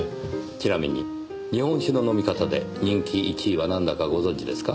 ちなみに日本酒の飲み方で人気１位はなんだかご存じですか？